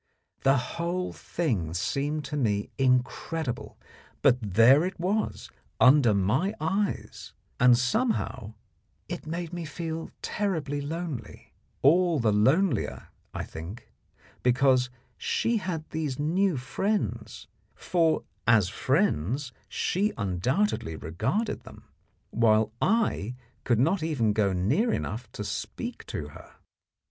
The whole thing seemed to me incredible, but there it was under my eyes, and, somehow, it made me feel terribly lonely all the lonelier, I think, because she had these new friends; for as friends she undoubtedly regarded them, while I could not even go near enough to speak to her.